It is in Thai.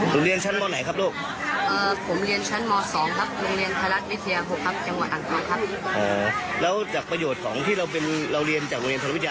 ในเรื่องเวลาเราเรียนเราก็เสริมมาฯทำเป็นอาชิบเสริม